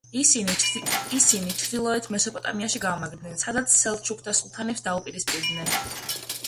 ისინი ჩრდილოეთ მესოპოტამიაში გამაგრდნენ, სადაც სელჩუკთა სულთნებს დაუპირისპირდნენ.